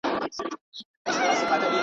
نیکه د ژمي په اوږدو شپو کي کیسې کولې.